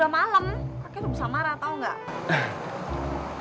malem kakek rusak marah tau gak